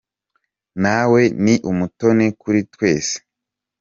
nawe ni umutoni kuri twese.